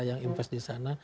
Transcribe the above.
yang invest di sana